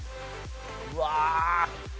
うわ。